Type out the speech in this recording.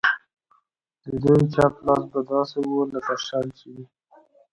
د دوی چپ لاس به داسې و لکه شل چې وي.